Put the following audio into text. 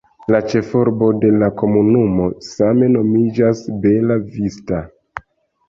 La ĉefurbo de la komunumo same nomiĝas Bella Vista.